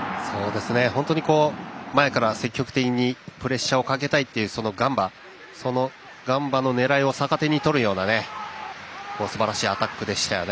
本当に前から積極的にプレッシャーをかけたいというそのガンバの狙いを逆手に取るようなすばらしいアタックでしたよね。